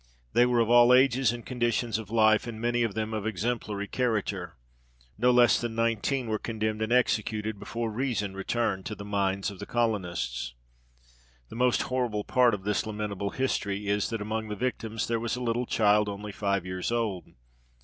They were of all ages and conditions of life, and many of them of exemplary character. No less than nineteen were condemned and executed before reason returned to the minds of the colonists. The most horrible part of this lamentable history is, that among the victims there was a little child only five years old.